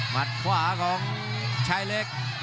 ขวาของชายเล็ก